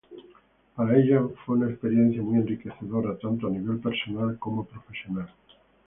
Para ella fue una experiencia muy enriquecedora, tanto a nivel personal como profesional.